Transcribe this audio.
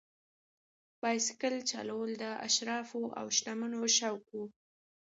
بایسکل چلول د اشرافو او شتمنو شوق و.